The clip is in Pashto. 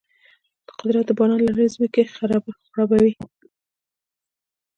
قدرت د باران له لارې ځمکه خړوبوي.